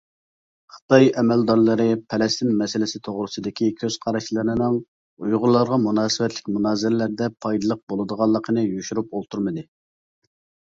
خىتاي ئەمەلدارلىرى پەلەستىن مەسىلىسى توغرىسىدىكى كۆز قاراشلىرىنىڭ ئۇيغۇرلارغا مۇناسىۋەتلىك مۇنازىرىلەردە پايدىلىق بولىدىغانلىقىنى يوشۇرۇپ ئولتۇرمىدى.